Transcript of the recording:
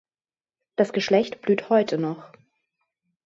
Das Geschlecht blüht heute noch.